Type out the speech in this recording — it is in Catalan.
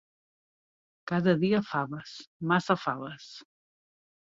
Cada dia faves, massa faves.